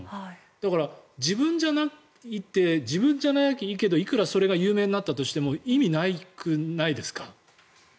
だから自分じゃないって自分じゃないけどいくらそれが有名になったとしても意味、なくないですか？